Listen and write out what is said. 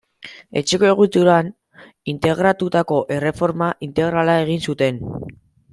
Etxeko egituran integratutako erreforma integrala egin zuten.